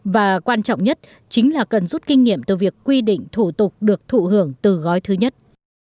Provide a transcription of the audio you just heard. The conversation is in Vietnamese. và quan trọng nhất chính là cần rút kinh nghiệm từ việc quy định thủ tục được thụ hưởng từ gói thứ nhất